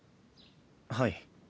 はい。